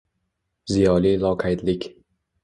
Ziyoli loqaydlik